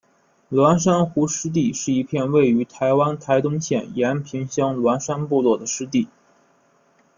鸾山湖湿地是一片位于台湾台东县延平乡鸾山部落的湿地。